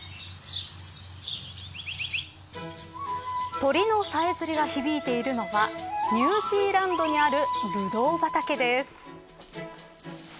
鳥のさえずりが響いているのはニュージーランドにあるブドウ畑です。